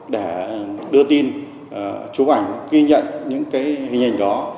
để đưa tin chú ảnh ghi nhận những hình ảnh đó